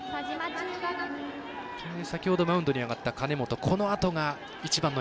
先ほどマウンドに上がった金本。